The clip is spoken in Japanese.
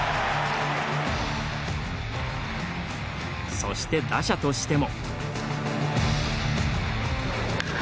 そして、打者としても。